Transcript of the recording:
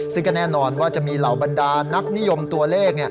ซึ่งก็แน่นอนว่าจะมีเหล่าบรรดานักนิยมตัวเลข